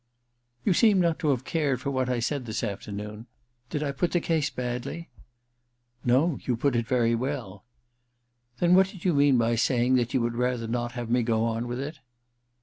* You seem not to have cared for what I said this afternoon. Did I put the case badly ?No— you put it very well.* *Then what did you mean by saying that you would rather not have me go on with it